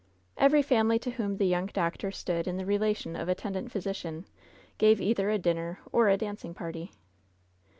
Every family to whom the young doctor stood in the relation of attendant physician gave either a dinner or a dancing party.